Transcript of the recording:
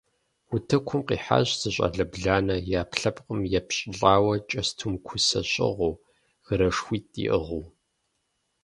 Утыкум къихьащ зы щӏалэ бланэ, и ӏэпкълъэпкъым епщӏылӏэу кӏэстум кусэ щыгъыу, гырэшхуитӏ иӏыгъыу.